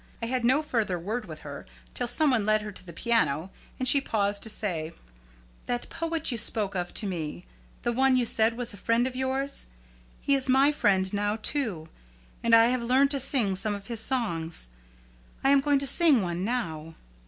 I had no further word with her till some one led her to the piano, and she paused to say, "That poet you spoke of to me the one you said was a friend of yours he is my friend now too, and I have learned to sing some of his songs. I am going to sing one now."